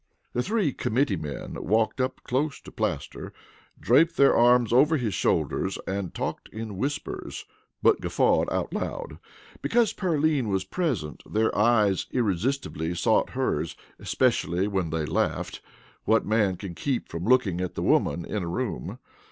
The three committeemen walked up close to Plaster, draped their arms over his shoulders, and talked in whispers, but guffawed out loud. Because Pearline was present their eyes irresistibly sought hers, especially when they laughed what man can keep from looking at the woman in a room?